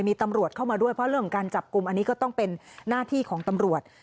มีตำรวจเข้ามาด้วยเพราะเรื่องของการจับกลุ่มอันนี้ก็ต้องเป็นหน้าที่ของตำรวจ